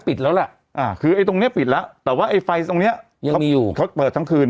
ก็ปิดแล้วแหละคือตรงนี้ปิดแล้วแต่ไฟตรงนี้เขาต้องเปิดทั้งคืน